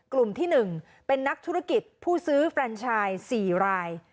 กลุ่มที่๑เป็นนักธุรกิจผู้ซื้อแฟนชาย๔ราย